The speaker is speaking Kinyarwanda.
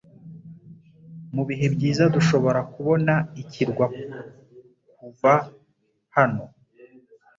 Mubihe byiza, dushobora kubona ikirwa kuva hano.